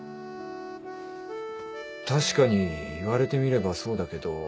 確かに言われてみればそうだけど。